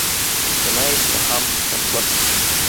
Бына, исмаһам, шатлыҡ.